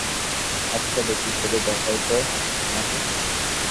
আচ্ছা, দেখি করে দেখাও তো আমাকে।